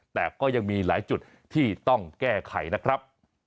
แต่ก็ยังมีหลายจุดที่ต้องแก้ไขนะครับ